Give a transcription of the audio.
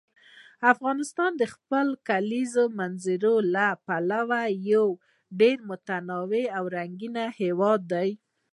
افغانستان د خپلو کلیزو منظره له پلوه یو ډېر متنوع او رنګین هېواد دی.